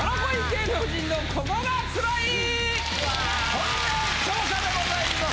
本音調査でございます！